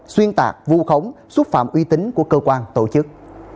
xuyên tạc vu khống xúc phạm uy tín của cơ quan tổ chức